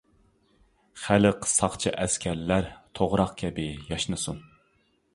خەلق ساقچى ئەسكەرلەر، توغراق كەبى ياشنىسۇن.